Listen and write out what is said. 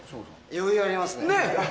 余裕、ありますね。